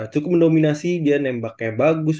cukup mendominasi dia nembaknya bagus